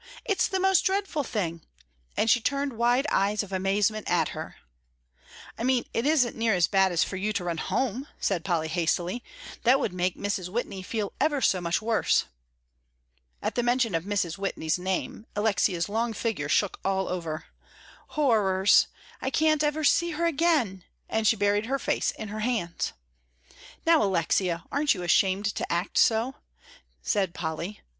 It's the most dreadful thing!" and she turned wide eyes of amazement at her. "I mean it isn't near as bad as for you to run home," said Polly, hastily; "that would make Mrs. Whitney feel ever so much worse." At the mention of Mrs. Whitney's name, Alexia's long figure shook all over. "Horrors! I can't ever see her again!" and she buried her face in her hands. "Now, Alexia, aren't you ashamed to act so?" said Polly.